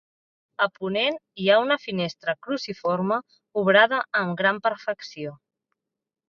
A ponent hi ha una finestra cruciforme obrada amb gran perfecció.